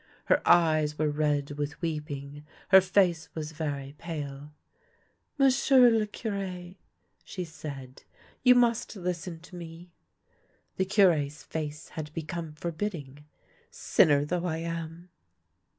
Her eyes were red with weeping, her face was very pale. " M'sieu' le Cure," she said, " you must listen to me "— the Cure's face had become forbidding —" sinner though I am.